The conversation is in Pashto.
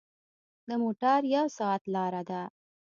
د موټر یو ساعت لاره ده.